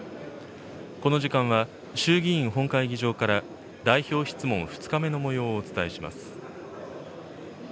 この時間は衆議院本会議場から代表質問２日目のもようをお伝えします。